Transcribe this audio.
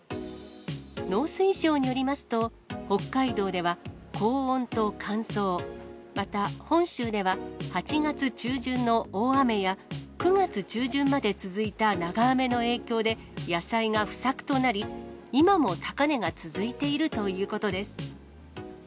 農水省によりますと、北海道では高温と乾燥、また、本州では８月中旬の大雨や、９月中旬まで続いた長雨の影響で野菜が不作となり、今も高値が続いているということです。